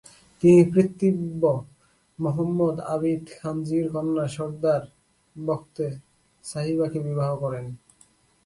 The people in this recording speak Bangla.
তিনি পিতৃব্য মহম্মদ আবিদ খানজীর কন্যা সর্দার বখতে সাহিবাকে বিবাহ করেন।